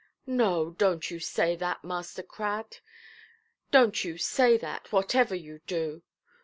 "No, donʼt you say that, Master Crad; donʼt you say that, whatever you do.